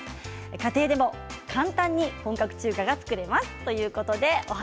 家庭でも簡単に本格中華が作れます。